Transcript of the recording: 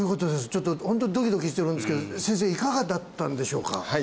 ちょっとホントドキドキしてるんですけど先生いかがだったんでしょうか？